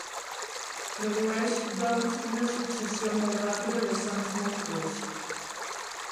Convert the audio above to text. Produeix, doncs, una successió molt ràpida de sons molt curts.